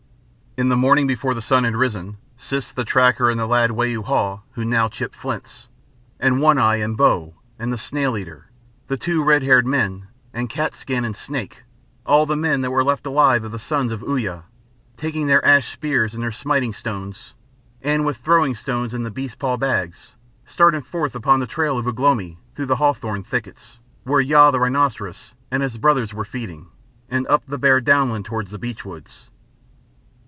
In the morning before the sun had risen, Siss the Tracker, and the lad Wau Hau, who now chipped flints, and One Eye, and Bo, and the Snail eater, the two red haired men, and Cat's skin and Snake, all the men that were left alive of the Sons of Uya, taking their ash spears and their smiting stones, and with throwing stones in the beast paw bags, started forth upon the trail of Ugh lomi through the hawthorn thickets where Yaaa the Rhinoceros and his brothers were feeding, and up the bare downland towards the beechwoods.